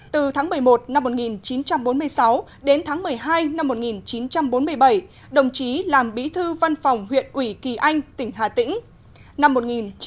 từ tháng một mươi một năm một nghìn chín trăm bốn mươi sáu đến tháng một mươi hai năm một nghìn chín trăm bốn mươi bảy đồng chí làm bí thư văn phòng huyện ủy kỳ anh tỉnh hà tĩnh